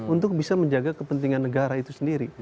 untuk bisa menjaga kepentingan negara itu sendiri